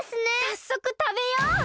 さっそくたべよう！